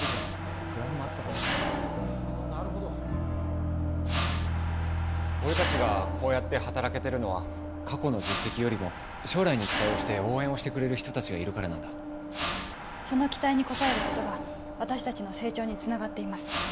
なるほど俺達がこうやって働けてるのは過去の実績よりも将来に期待をして応援をしてくれる人達がいるからなんだその期待に応えることが私達の成長につながっています